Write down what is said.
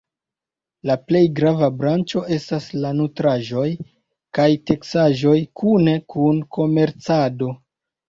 La plej grava branĉo estas la nutraĵoj kaj teksaĵoj kune kun komercado.